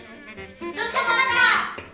ちょっとまった！